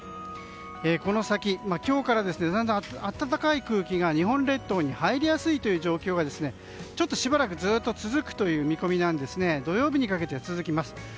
この先、今日からだんだん暖かい空気が日本列島に入りやすいという状況がしばらく続くという見込みで土曜日にかけて続きます。